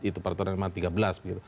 itu peraturan ma tiga belas